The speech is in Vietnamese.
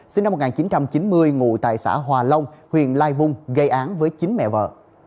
sinh năm một nghìn chín trăm chín mươi ngụ tại xã hòa long huyện lai vung gây án với chín mẹ vợ